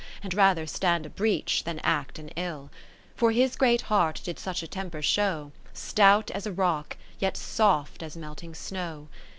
And rather stand a breach, than act an ill ; For his great heart did such a temper show, Stout as a rock, yet soft as melting snow.